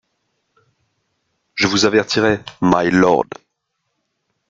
Je vous avertirai, mylord.